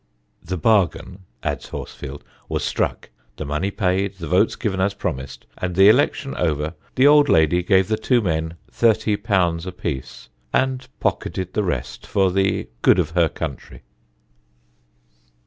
The bargain," adds Horsfield, "was struck the money paid the votes given as promised; and the election over, the old lady gave the two men _£_30 a piece, and pocketed the rest for the good of her country."